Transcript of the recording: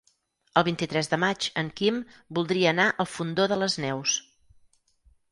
El vint-i-tres de maig en Quim voldria anar al Fondó de les Neus.